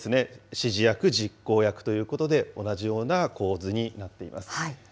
指示役、実行役ということで、同じような構図になっています。